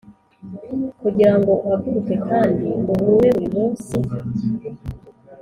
kugirango uhaguruke kandi uhure buri munsi,